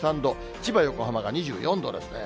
千葉、横浜が２４度ですね。